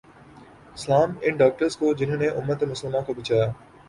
سلام ان ڈاکٹرز کو جہنوں نے امت مسلماں کو بچایا